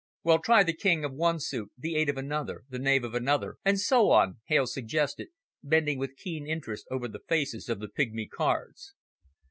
"Well, try the king of one suit, the eight of another, the knave of another and so on," Hales suggested, bending with keen interest over the faces of the pigmy cards.